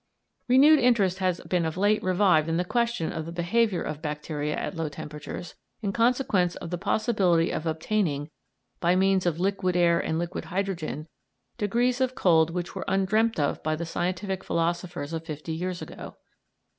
Renewed interest has been of late revived in the question of the behaviour of bacteria at low temperatures, in consequence of the possibility of obtaining, by means of liquid air and liquid hydrogen, degrees of cold which were undreamt of by the scientific philosophers of fifty years ago.